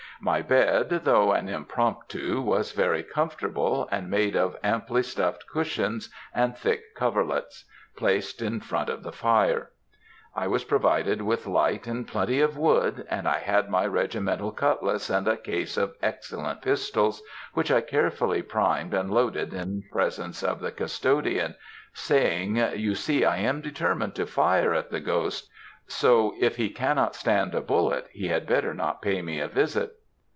My bed, though an impromptu, was very comfortable, made of amply stuffed cushions and thick coverlets, placed in front of the fire. I was provided with light and plenty of wood; and I had my regimental cutlass, and a case of excellent pistols, which I carefully primed and loaded in presence of the custodian, saying, you see I am determined to fire at the ghost, so if he cannot stand a bullet, he had better not pay me a visit.